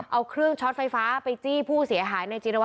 เอาเครื่องช็อตไฟฟ้าไปจี้ผู้เสียหายในจิรว